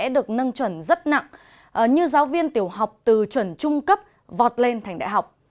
được nâng trần rất nặng như giáo viên tiểu học từ trần trung cấp vọt lên thành đại học